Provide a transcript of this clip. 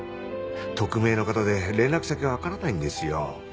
匿名の方で連絡先がわからないんですよ。